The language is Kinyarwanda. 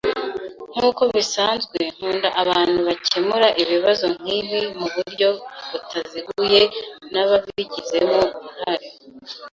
Nkuko bisanzwe, nkunda abantu bakemura ibibazo nkibi muburyo butaziguye nababigizemo uruhare.